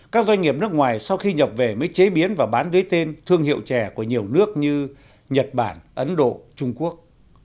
các doanh nghiệp nước ngoài sau khi nhập về mới chế biến và bán với tên thương hiệu chè của nhiều nước như nhật bản ấn độ trung quốc